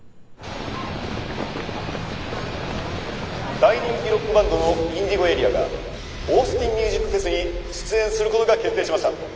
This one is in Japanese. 大人気ロックバンドのＩｎｄｉｇｏＡＲＥＡがオースティンミュージックフェスに出演することが決定しました。